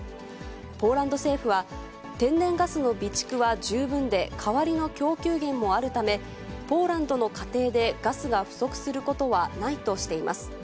ポーランド政府は、天然ガスの備蓄は十分で、代わりの供給源もあるため、ポーランドの家庭でガスが不足することはないとしています。